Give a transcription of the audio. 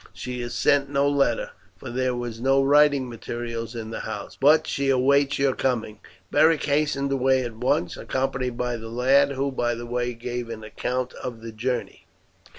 She has sent no letter, for there were no writing materials in the house, but she awaits your coming." Beric hastened away at once, accompanied by the lad, who by the way gave an account of his journey.